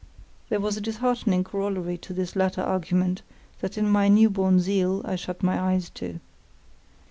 There was a disheartening corollary to this latter argument that in my new born zeal I shut my eyes to.